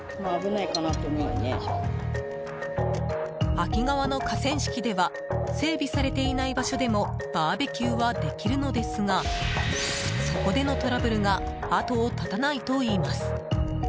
秋川の河川敷では整備されていない場所でもバーベキューはできるのですがそこでのトラブルが後を絶たないといいます。